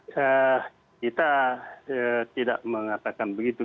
kita tidak mengatakan begitu